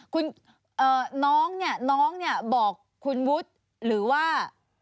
ค่ะน้องเนี่ยบอกคุณวุธหรือว่า